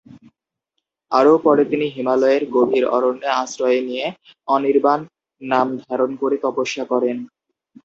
আরও পরে তিনি হিমালয়ের গভীর অরণ্যে আশ্রয় নিয়ে অনির্বাণ নাম ধারণ করে তপস্যা করেন।